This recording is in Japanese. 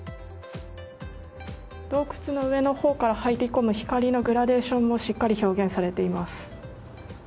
洞窟の上のほうから入り込む光のグラデーションもしっかり表現されています。